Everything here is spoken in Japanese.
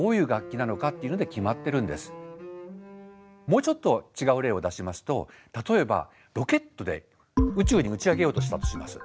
もうちょっと違う例を出しますと例えばロケットで宇宙に打ち上げようとしたとします。